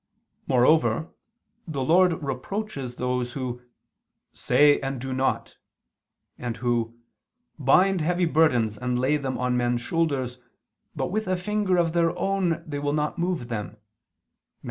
'" Moreover the Lord reproaches those who "say and do not"; and who "bind heavy burdens and lay them on men's shoulders, but with a finger of their own they will not move them" (Matt.